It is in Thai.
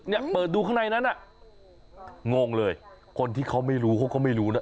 เนี่ยเปิดดูข้างในนั้นอ่ะงงเลยคนที่เขาไม่รู้เขาก็ไม่รู้นะ